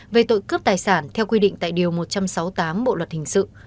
về tội cướp tài sản theo quy định tại điều một trăm sáu mươi tám bộ luật hình sự